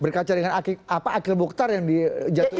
berkacau dengan akhil bukhtar yang dijatuhi